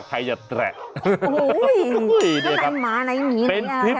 ใช้เมียได้ตลอด